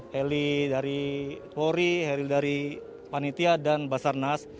heli dari polri heli dari panitia dan basarnas